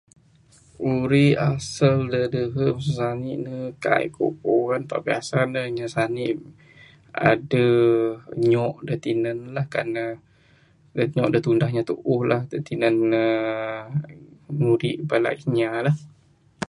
Uri asal dak dehe mesu sani ne kai ku puan tapi asal ne inya sani adeh nyok dak tinah lah, kan ne nyok dak tundah tinan ne nguri bala inya lah.